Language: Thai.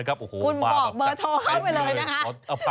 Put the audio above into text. ครับ๐๘๙๑๒๔๓๑๙ครับ